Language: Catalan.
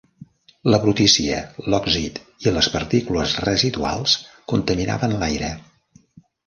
La brutícia, l'òxid i les partícules residuals contaminaven l'aire.